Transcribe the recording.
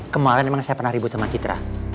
kemarin memang saya pernah ribut sama citra